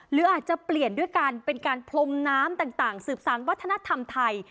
หรืออาจจะเปลี่ยนด้วยการเป็นการพรมน้ำต่างสืบสารวัฒนธรรมไทย